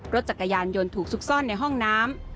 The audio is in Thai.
รถจักรยานยนต์ถูกซุกซ่อนในห้องน้ำ